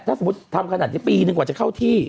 ถ้าสมมุติทำขนาดนี้ปีนึงกว่าจะเข้าที่